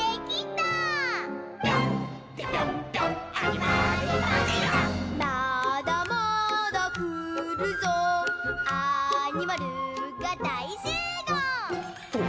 「まだまだくるぞアニマルがだいしゅうごう！」